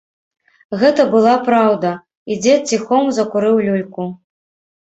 Гэта была праўда, і дзед ціхом закурыў люльку.